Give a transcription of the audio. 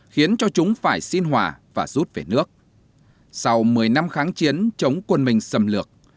khiến cho chúng phải xin hòa và rút về nước sau một mươi năm kháng chiến chống quân minh xâm lược